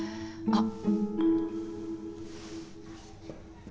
あっ。